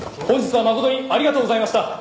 本日は誠にありがとうございました。